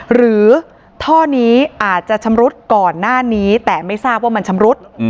หรือท่อนี้อาจจะชำรุดก่อนหน้านี้แต่ไม่ทราบว่ามันชำรุด